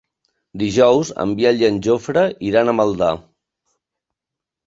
Dijous en Biel i en Jofre iran a Maldà.